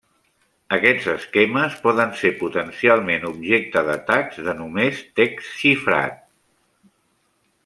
Aquests esquemes poden ser potencialment objecte d'atacs de només text xifrat.